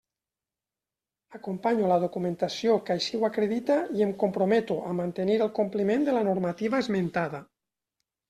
Acompanyo la documentació que així ho acredita i em comprometo a mantenir el compliment de la normativa esmentada.